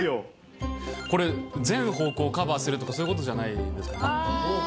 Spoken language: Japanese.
これ、全方向カバーするとかそういうことじゃないですかね。